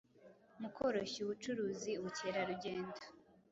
mu koroshya ubucuruzi, ubukerarugendo,